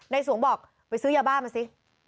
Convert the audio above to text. สวงบอกไปซื้อยาบ้ามาสิ